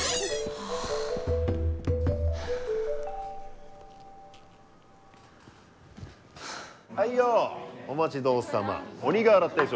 はいよお待ち遠さま鬼瓦定食。